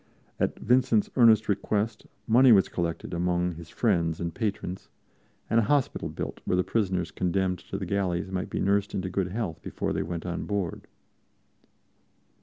At Vincent's earnest request, money was collected among his friends and patrons, and a hospital built where the prisoners condemned to the galleys might be nursed into good health before they went on board.